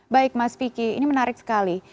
baik mas vicky ini menarik sekali